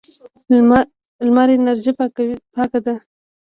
لمر انرژي پاکه ده.